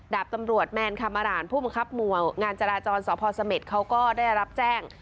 ดาบตำรวจแมนคามรานผู้บังคับหมู่งานจราจรสพเสม็ดเขาก็ได้รับแจ้ง